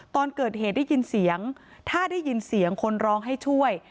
ตอนเกิดเหตุได้ยินเสียงถ้าได้ยินเสียงคนร้องให้ช่วย